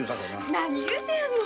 何言うてやんの！